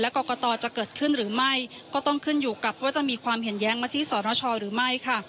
กรกตจะเกิดขึ้นหรือไม่ก็ต้องขึ้นอยู่กับว่าจะมีความเห็นแย้งมาที่สนชหรือไม่ค่ะ